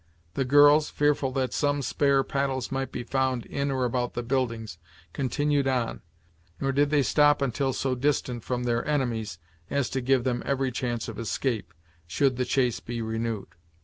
The girls, fearful that some spare paddles might be found in or about the buildings, continued on, nor did they stop until so distant from their enemies as to give them every chance of escape, should the chase be renewed.